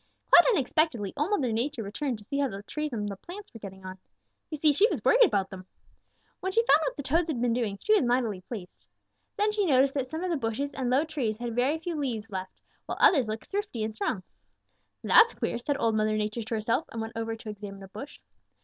"Quite unexpectedly Old Mother Nature returned to see how the trees and the plants were getting on. You see, she was worried about them. When she found what the Toads had been doing, she was mightily pleased. Then she noticed that some of the bushes and low trees had very few leaves left, while others looked thrifty and strong. "'That's queer,' said Old Mother Nature to herself and went over to examine a bush.